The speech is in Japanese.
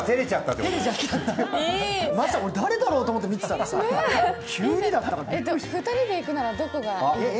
まさか、誰だろう？と思って見てたらさ、急にだったからさ。２人で行くならどこが？